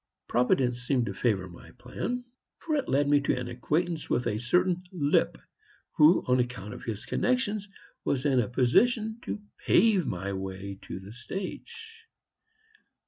Providence seemed to favor my plan, for it led me into an acquaintance with a certain Lipp, who, on account of his connections, was in a position to pave my way to the stage.